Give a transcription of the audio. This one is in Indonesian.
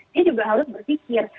dia juga harus berpikir